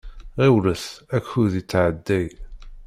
Ɣiwlet, akud yettɛedday.